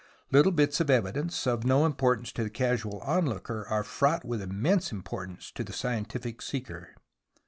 Little bits of evidence of no importance to the casual onlooker are fraught with immense importance to the scientific seeker.